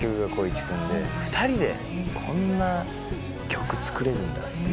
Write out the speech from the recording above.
２人でこんな曲作れるんだって。